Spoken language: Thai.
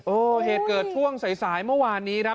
เหตุเกิดช่วงสายสายเมื่อวานนี้ครับ